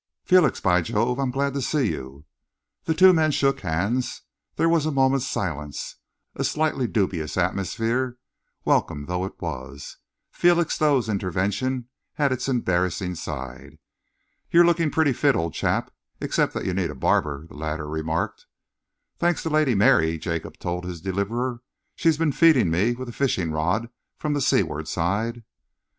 "Felix! By Jove, I'm glad to see you!" The two men shook hands. There was a moment's silence, a slightly dubious atmosphere. Welcome though it was, Felixstowe's intervention had its embarrassing side. "You're looking pretty fit, old chap, except that you need a barber," the latter remarked. "Thanks to Lady Mary," Jacob told his deliverer. "She's been feeding me with a fishing rod from the seaward side."